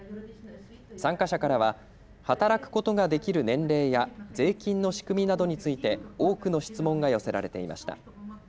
参加者からは働くことができる年齢や税金の仕組みなどについて多くの質問が寄せられていました。